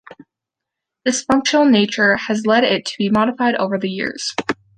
This functional nature has led it to be modified over the years.